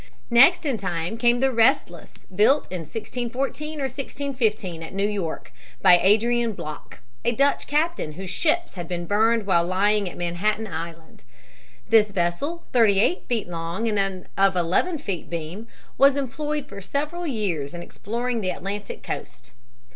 Next in time came the Restless, built in 1614 or 1615 at New York, by Adrian Blok, a Dutch captain whose ships had been burned while lying at Manhattan Island. This vessel, thirty eight feet long and of eleven feet beam, was employed for several years in exploring the Atlantic coast.